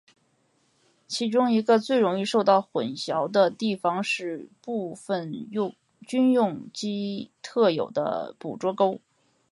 其中一个最容易受到混淆的地方是部份军用机特有的捕捉勾。